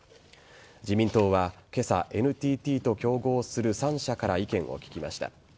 自民党は今朝ＮＴＴと競合する３社から意見を聞きました。